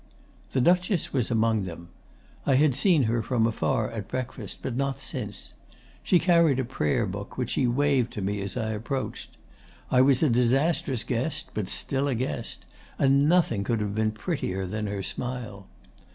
'The Duchess was among them. I had seen her from afar at breakfast, but not since. She carried a prayer book, which she waved to me as I approached. I was a disastrous guest, but still a guest, and nothing could have been prettier than her smile.